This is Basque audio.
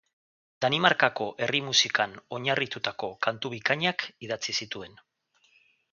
Danimarkako herri-musikan oinarritutako kantu bikainak idatzi zituen.